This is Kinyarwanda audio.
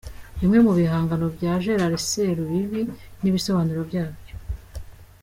Bimwe mu bihangano bya Gerard Serubibi n’ibisobanuro byabyo.